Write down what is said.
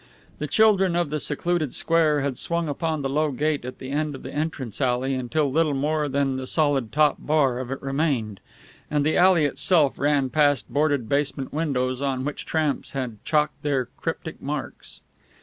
The children of the secluded square had swung upon the low gate at the end of the entrance alley until little more than the solid top bar of it remained, and the alley itself ran past boarded basement windows on which tramps had chalked their cryptic marks.